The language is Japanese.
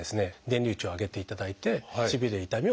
電流値を上げていただいてしびれ痛みを抑える。